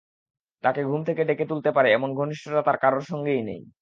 তাঁকে ঘুম থেকে ডেকে তুলতে পারে এমন ঘনিষ্ঠতা তাঁর কারো সঙ্গেই নেই।